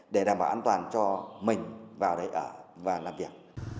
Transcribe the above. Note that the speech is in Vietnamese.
để đảm bảo an toàn cho mình vào đây ở và làm việc